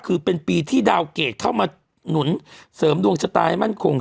คือเป็นปีที่ดาวเกรดเข้ามาหนุนเสริมดวงชะตาให้มั่นคง